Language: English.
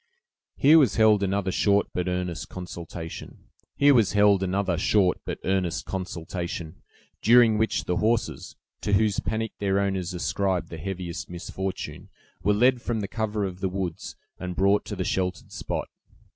Here was held another short but earnest consultation, during which the horses, to whose panic their owners ascribed their heaviest misfortune, were led from the cover of the woods, and brought to the sheltered spot.